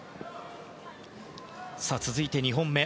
続いて、２本目。